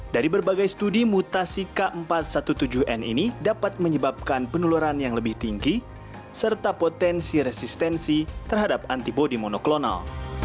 dari berbagai studi mutasi k empat ratus tujuh belas n ini dapat menyebabkan penularan yang lebih tinggi serta potensi resistensi terhadap antibody monoklonal